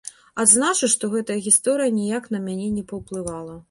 Адзначу, што гэтая гісторыя ніяк на мяне не паўплывала.